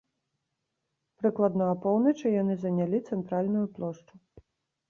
Прыкладна апоўначы яны занялі цэнтральную плошчу.